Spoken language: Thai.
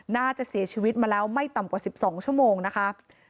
น่าจะเสียชีวิตมาแล้วไม่ต่ำกว่า๑๒ชั่วโมงนะคะ